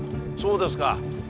そうですか。